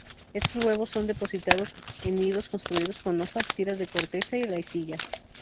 Estos huevos son depositados en nidos construidos con hojas, tiras de corteza y raicillas.